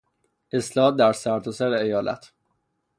اصلاحات در سرتاسر ایالت